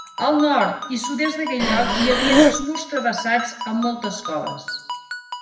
Al nord i sud-est d'aquest lloc hi havia dos murs travessats, amb moltes coves.